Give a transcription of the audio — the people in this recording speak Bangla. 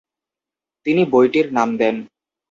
তিনি বইটির নাম দেন।